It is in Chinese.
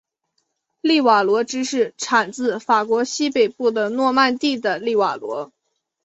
利瓦罗芝士产自法国西北部的诺曼第的利瓦罗。